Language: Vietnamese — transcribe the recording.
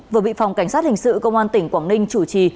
vừa bị phòng cảnh sát hình sự công an tỉnh quảng ninh chủ trì